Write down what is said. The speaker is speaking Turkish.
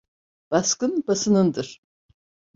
Baskın basanındır.